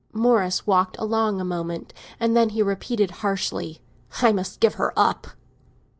Morris walked along a moment, and then he repeated harshly: "I must give her up!"